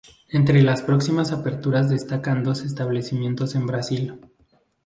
Entre las próximas aperturas destacan dos establecimientos en Brasil.